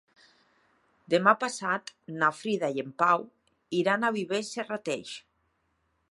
Demà passat na Frida i en Pau iran a Viver i Serrateix.